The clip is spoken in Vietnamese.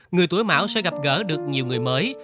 người tuổi mão sẽ gặp gỡ được nhiều người mới